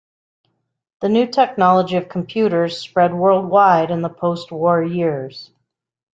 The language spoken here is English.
The new technology of computers spread worldwide in the post war years.